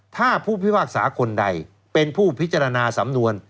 ถ้าผู้พิพากษาคนใดเป็นผู้พิจารณาสำนวน